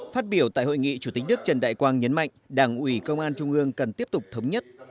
phát biểu tại hội nghị chủ tịch nước trần đại quang nhấn mạnh đảng ủy công an trung ương cần tiếp tục thống nhất